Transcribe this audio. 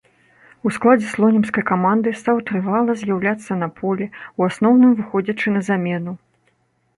У складзе слонімскай каманды стаў трывала з'яўляцца на полі, у асноўным выходзячы на замену.